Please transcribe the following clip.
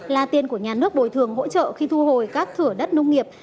là tiền của nhà nước bồi thường hỗ trợ khi thu hồi các thửa đất nông nghiệp